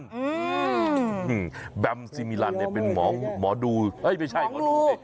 อืมแบมซีมีลันเนี่ยเป็นหมองหมอดูไม่ใช่หมองดู